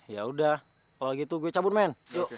ya udah kalau gitu gue cabut main